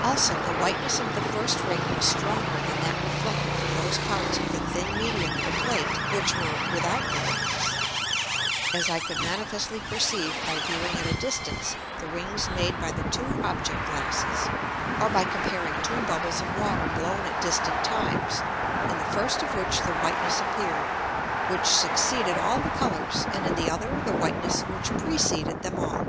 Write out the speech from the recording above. Also the whiteness of the first Ring was stronger than that reflected from those parts of the thin Medium or Plate which were without the Rings; as I could manifestly perceive by viewing at a distance the Rings made by the two Object glasses; or by comparing two Bubbles of Water blown at distant Times, in the first of which the Whiteness appear'd, which succeeded all the Colours, and in the other, the Whiteness which preceded them all.